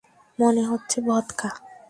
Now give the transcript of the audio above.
মনে হচ্ছে ভদকা।